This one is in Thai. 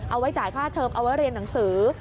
เอาไว้จ่ายค่าเทอมเอาไว้เรียนหนังสือ